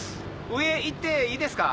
上行っていいですか？